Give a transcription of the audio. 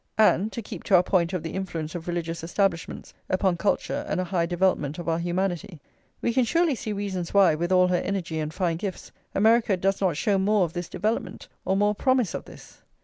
And, to keep to our point of the influence of religious establishments upon culture and a high development of our humanity, we can surely see reasons why, with all her energy and fine gifts, America does not show more of this development, or more promise of this.